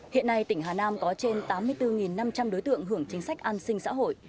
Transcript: hiện nay tỉnh hà nam có trên tám mươi bốn năm trăm linh đối tượng hưởng chính sách an sinh xã hội